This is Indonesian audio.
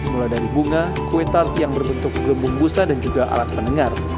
mulai dari bunga kue tart yang berbentuk gelembung busa dan juga alat pendengar